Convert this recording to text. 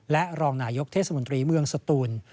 และรองนายกเทศมนตรีเมืองสตูน